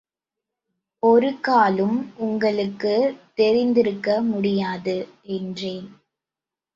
ஒருக்காலும் உங்களுக்குத் தெரிந்திருக்க முடியாது. என்றேன்.